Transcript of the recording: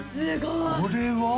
これは？